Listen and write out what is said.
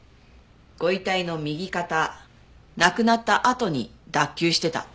ご遺体の右肩亡くなったあとに脱臼してた。